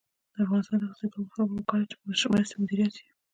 د افغانستان د اقتصادي پرمختګ لپاره پکار ده چې مرستې مدیریت شي.